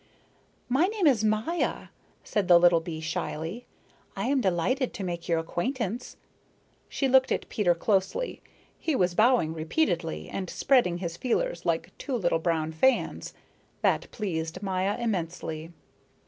"My name is Maya," said the little bee shyly. "I am delighted to make your acquaintance." She looked at Peter closely; he was bowing repeatedly, and spreading his feelers like two little brown fans. That pleased Maya immensely.